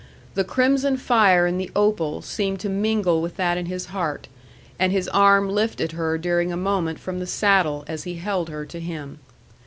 The crimson fire in the opal seemed to mingle with that in his heart, and his arm lifted her during a moment from the saddle as he held her to him.